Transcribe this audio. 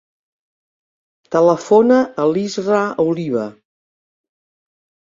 Telefona a l'Israa Oliva.